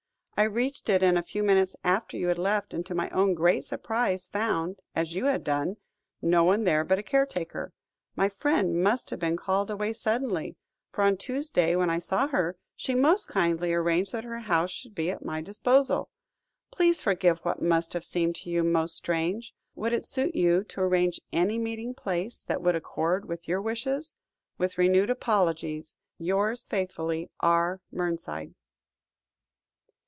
I reached it a few minutes after you had left, and to my own great surprise found as you had done no one there but a caretaker. My friend must have been called away suddenly, for on Tuesday, when I saw her, she most kindly arranged that her house should be at my disposal. Please forgive what must have seemed to you most strange. Would it suit you to arrange any meeting place that would accord with your wishes? With renewed apologies. "Yours faithfully, "R. MERNSIDE."